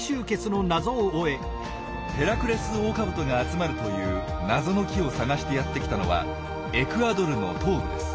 ヘラクレスオオカブトが集まるという謎の木を探してやってきたのはエクアドルの東部です。